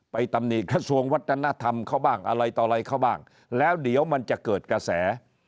ตำหนิกระทรวงวัฒนธรรมเขาบ้างอะไรต่ออะไรเขาบ้างแล้วเดี๋ยวมันจะเกิดกระแส